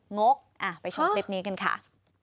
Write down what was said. งกไปชมคลิปนี้กันค่ะ